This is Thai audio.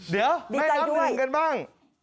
เดี๋ยวแม่น้ำหนึ่งกันบ้าง